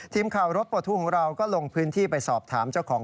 ทีมข่าวรถปลดทุกข์ของเราก็ลงพื้นที่ไปสอบถามเจ้าของ